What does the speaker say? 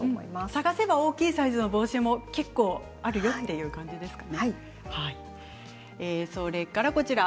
探せば大きいサイズの帽子も結構あるよという感じですか。